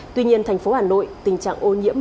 tuy nhiên thành phố hà nội tình trạng ô nhiễm